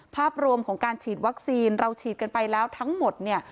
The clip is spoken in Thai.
ภาพรวมของการฉีดวัคซีนเราฉีดกันไปแล้วทั้งหมดเนี่ย